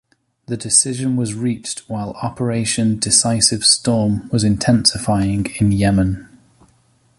The decision was reached while Operation Decisive Storm was intensifying in Yemen.